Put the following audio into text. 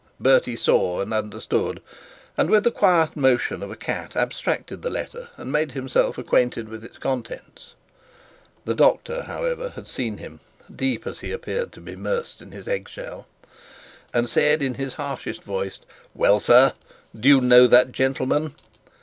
Bertie saw and understood, and with the quiet motion of a cat abstracted the letter, and made himself acquainted with its contents. The doctor, however, had seen him, deep as he appeared to be mersed in his egg shell, and said in his harshest voice, 'Well, sir, do you know that gentleman?'